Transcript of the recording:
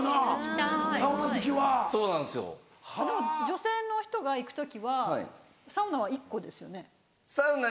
女性の人が行く時はサウナは１個ですよね？